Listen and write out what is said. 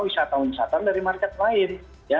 wisata wisata dari market lain